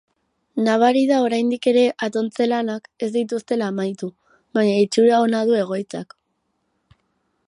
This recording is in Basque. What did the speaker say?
Nabari da oraindik ere atontze-lanak ez dituztela amaitu, baina itxura ona du egoitzak.